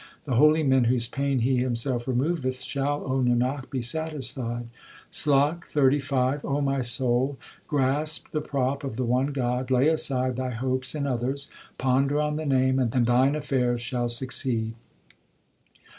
The holy men whose pain He Himself removeth Shall, O Nanak, be satisfied. 1 SLOK XXXV O my soul, grasp the prop of the one God, lay aside thy hopes in others ; Ponder on the Name, and thine affairs shall succeed.